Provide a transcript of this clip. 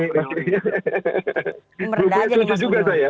bukan suci juga saya